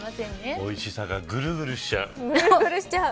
おいしさがぐるぐるしちゃう。